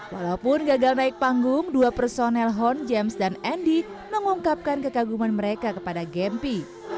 walaupun gagal naik panggung dua personel hon james dan andy mengungkapkan kekaguman mereka kepada gempi